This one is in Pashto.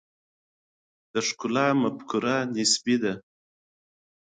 د ښکلا مفکوره نسبي ده.